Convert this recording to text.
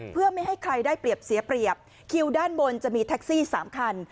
เพื่อไม่ให้ใครได้เปรียบเสียเปรียบคิวด้านบนจะมีแท็กซี่๓คัน